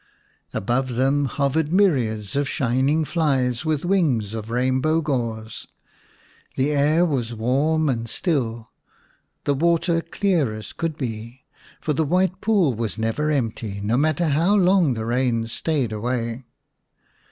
Above them hovered myriads of shining flies with wings of rainbow gauze. The air was warm and still, the water clear as could be. For the White Pool was never empty, no matter how long the rains stayed away.